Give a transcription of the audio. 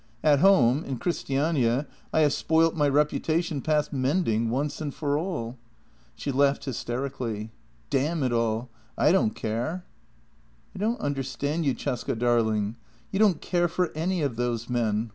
At home, in Christiania, I have spoilt my reputa tion past mending, once and for all." She laughed hysterically. "Damn it all! I don't care." " I don't understand you, Cesca darling. You don't care for any of those men.